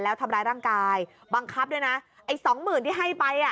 แล้วทำร้ายร่างกายบังคับด้วยนะไอ้สองหมื่นที่ให้ไปอ่ะ